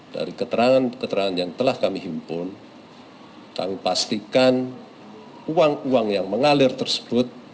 dari keterangan keterangan yang telah kami himpun kami pastikan uang uang yang mengalir tersebut